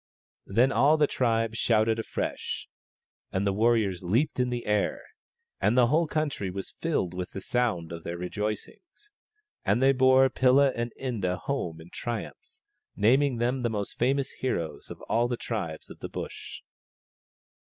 Then all the tribe shouted afresh, and the warriors leaped in the air, and the whole country was filled with the sound of their rejoicings. And they bore Pilla and Inda home in triumph, naming them the most famous heroes of all the tribes of the Bush.